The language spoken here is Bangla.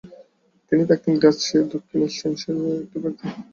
তিনি থাকতেন গ্রাৎসের দক্ষিণে স্টাইনৎসের একটি বাড়িতে।